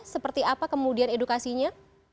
seperti apa kemudian edukasinya